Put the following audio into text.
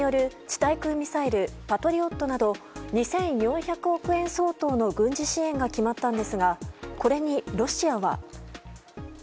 対空ミサイルパトリオットなど２４００億円相当の軍事支援が決まったんですがこれにロシアは。